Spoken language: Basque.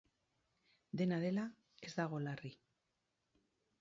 Dena dela, ez dago larri.